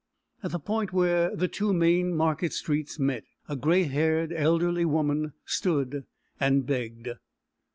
At the point where the two main market streets met, a grey haired elderly woman stood and begged.